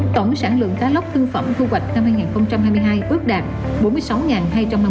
tổng sản lượng cá lóc thương phẩm thu hoạch năm hai nghìn hai mươi hai ước đạt bốn mươi sáu hai trăm hai mươi